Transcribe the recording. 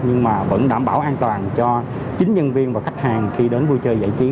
nhưng mà vẫn đảm bảo an toàn cho chính nhân viên và khách hàng khi đến vui chơi giải trí